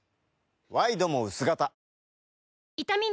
ワイドも薄型わっ